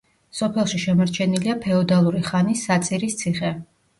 სოფელში შემორჩენილია ფეოდალური ხანის საწირის ციხე.